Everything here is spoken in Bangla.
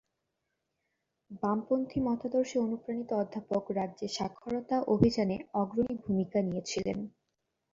বামপন্থী মতাদর্শে অনুপ্রাণিত অধ্যাপক রাজ্যে সাক্ষরতা অভিযানে অগ্রণী ভূমিকা নিয়েছিলেন।